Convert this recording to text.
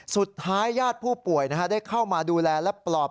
สุดท้ายญาติผู้ป่วยได้เข้ามาดูแลและปลอบ